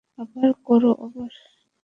আবার করো, আবার।